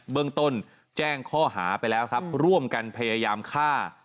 เบื้องต้นแจ้งข้อหาไปแล้วครับร่วมกันพยายามฆ่า